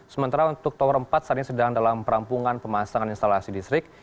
sementara untuk tower empat saat ini sedang dalam perampungan pemasangan instalasi listrik